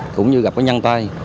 cũng như gặp cái nhân tai